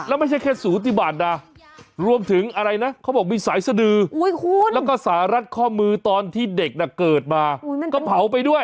แล้วไม่ใช่แค่สูติบัตินะรวมถึงอะไรนะเขาบอกมีสายสดือแล้วก็สารัดข้อมือตอนที่เด็กน่ะเกิดมาก็เผาไปด้วย